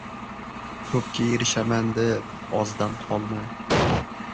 • Ko‘pga erishaman deb ozdan qolma.